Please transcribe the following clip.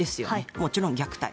もちろん虐待。